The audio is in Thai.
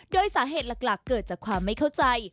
โดยสาเหตุหลักเกิดจากความไม่เข้าใจ